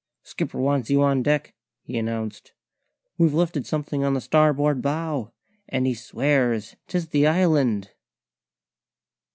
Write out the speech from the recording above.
"Skipper wants you on deck," he announced. "We've lifted something on the starboard bow, and he swears 'tis the Island."